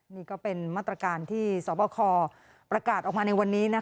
นี่ก็เป็นมาตรการที่สวบคประกาศออกมาในวันนี้